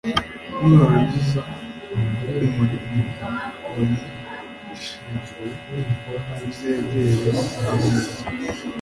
nurangiza umurimo wari ushinzwe, uzegere ameza